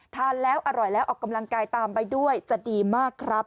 ทานแล้วอร่อยแล้วออกกำลังกายตามไปด้วยจะดีมากครับ